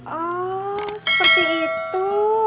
oh seperti itu